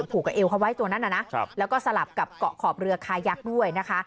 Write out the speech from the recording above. ผูกกับเอวเขาไว้ตัวนั้นน่ะนะแล้วก็สลับกับเกาะขอบเรือคายักษ์ด้วยนะคะ